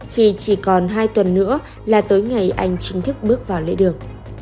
khi chỉ còn hai tuần nữa là tới ngày anh chính thức bước vào lễ đường